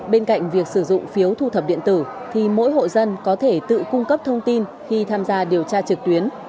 bên cạnh việc sử dụng phiếu thu thập điện tử thì mỗi hộ dân có thể tự cung cấp thông tin khi tham gia điều tra trực tuyến